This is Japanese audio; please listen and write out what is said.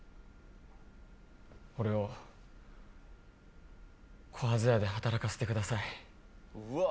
俺をこはぜ屋で働かせてください